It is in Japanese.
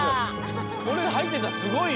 これではいってたらすごいよ。